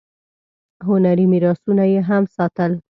هنري میراثونه یې هم ساتل.